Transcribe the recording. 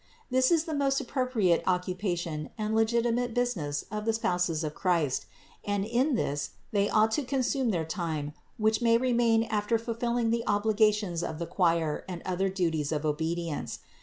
This is the most appro priate occupation and legitimate business of the spouses of Christ, and in this they ought to consume their time which may remain after fulfilling the obligations of the choir and other duties of obedience.